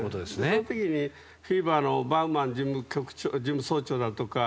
その時にＦＩＢＡのバウマン事務総長だとか